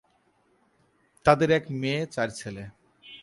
তাদের এক মেয়ে, চার ছেলে।